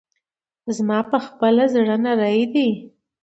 زما پخپله زړه نری دی.